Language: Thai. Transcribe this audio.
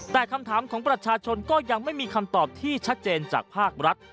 แต่คำถามของประชาชนก็ยังไม่มีคำตอบที่ชัดเจนจากภาครัฐ